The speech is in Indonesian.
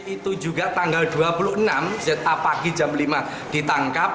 itu juga tanggal dua puluh enam pagi jam lima ditangkap